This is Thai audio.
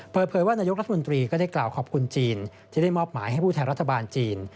เปิดเผยว่านายกรัฐมนตรีก็ได้กล่าวขอบคุณจีนที่ได้มอบหมายให้ผู้แทนรัฐบาลจีน